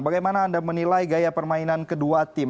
bagaimana anda menilai gaya permainan kedua tim